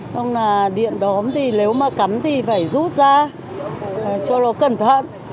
xong là điện đóm thì nếu mà cắn thì phải rút ra cho nó cẩn thận